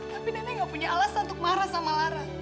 tapi nenek gak punya alasan untuk marah sama lara